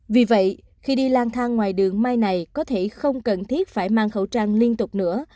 vì vậy khi đi lang thang ngoài đường mai này có thể không cần thiết phải mang khẩu trang liên tục nữa